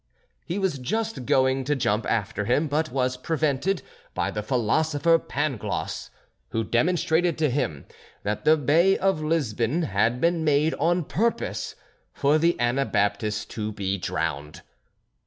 He was just going to jump after him, but was prevented by the philosopher Pangloss, who demonstrated to him that the Bay of Lisbon had been made on purpose for the Anabaptist to be drowned.